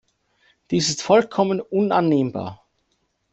Dies ist vollkommen unannehmbar.